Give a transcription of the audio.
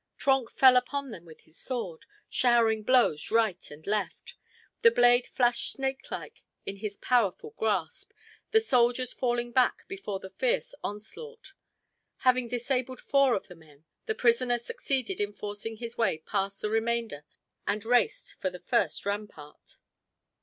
Trenck fell upon them with his sword, showering blows right and left. The blade flashed snakelike in his powerful grasp, the soldiers falling back before the fierce onslaught. Having disabled four of the men, the prisoner succeeded in forcing his way past the remainder and raced for the first rampart.